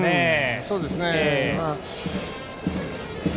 そうですね。